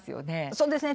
そうですね。